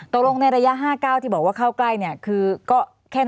ตรงในระยะ๕๙ที่บอกว่าเข้าใกล้คือก็แค่นั้น